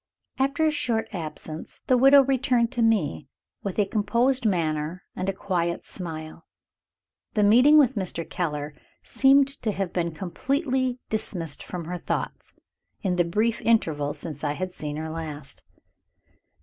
After a short absence the widow returned to me, with a composed manner and a quiet smile. The meeting with Mr. Keller seemed to have been completely dismissed from her thoughts, in the brief interval since I had seen her last.